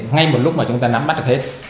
ngay một lúc mà chúng ta nắm bắt được hết